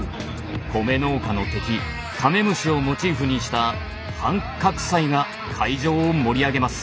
米農家の敵カメムシをモチーフにしたハン・カクサイが会場を盛り上げます。